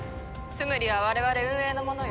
ツムリは我々運営のものよ。